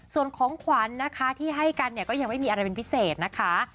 ส่วนของขวัญนะคะที่ให้กันเนี่ยก็ยังไม่มีอะไรเป็นพิเศษนะคะ